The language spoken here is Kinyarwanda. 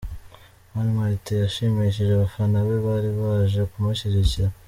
Mani Martin yashimishije abafana be bari baje kumushyigikira.